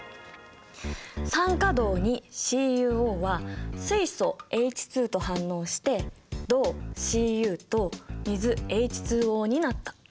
酸化銅ＣｕＯは水素Ｈと反応して銅Ｃｕと水ＨＯになった。